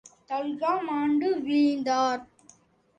Talha மாண்டு வீழ்ந்தார்.